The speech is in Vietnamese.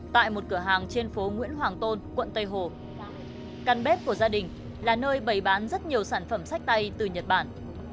tại một cửa hàng trên phố nguyễn hoàng tôn quận tây hồ căn bếp của gia đình là nơi bày bán rất nhiều sản phẩm sách tay từ nhật bản